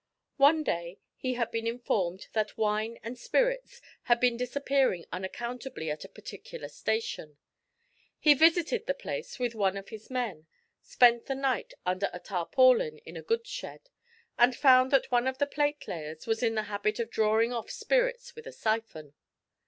One day he had been informed that wine and spirits had been disappearing unaccountably at a particular station. He visited the place with one of his men, spent the night under a tarpaulin in a goods shed, and found that one of the plate layers was in the habit of drawing off spirits with a syphon.